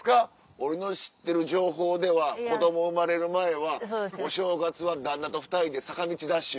俺の知ってる情報では子供生まれる前はお正月は旦那と２人で坂道ダッシュ。